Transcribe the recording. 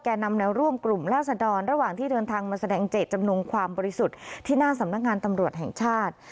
นำแนวร่วมกลุ่มราศดรระหว่างที่เดินทางมาแสดงเจตจำนงความบริสุทธิ์ที่หน้าสำนักงานตำรวจแห่งชาติ